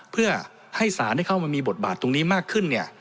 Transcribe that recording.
เพื่อให้สารเข้ามามีบทบาทตรงนี้มากขึ้นเนี่ย